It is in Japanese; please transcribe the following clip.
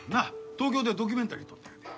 東京ではドキュメンタリー撮ったんやて。